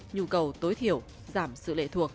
nhu cầu tối thiểu giảm sự lệ thuộc